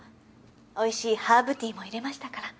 美味しいハーブティーも淹れましたから。